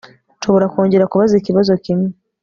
Nshobora kongera kubaza ikibazo kimwe